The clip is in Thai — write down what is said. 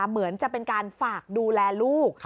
เหมือนจะเป็นการฝากดูแลลูก